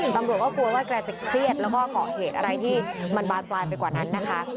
ตำรวจก็กลัวว่าแกจะเครียดแล้วก็เกาะเหตุอะไรที่มันบานปลายไปกว่านั้นนะคะ